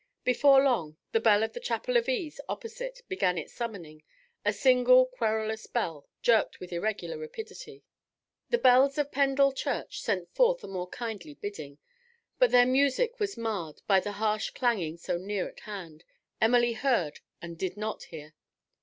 Before long the bell of the chapel of ease opposite began its summoning, a single querulous bell, jerked with irregular rapidity. The bells of Pendal church sent forth a more kindly bidding, but their music was marred by the harsh clanging so near at hand, Emily heard and did not hear.